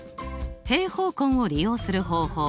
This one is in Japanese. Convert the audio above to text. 平方根を利用する方法